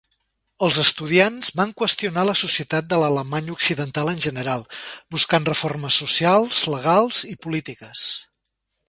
Els estudiants van qüestionar la societat de l'Alemanya Occidental en general, buscant reformes socials, legals i polítiques.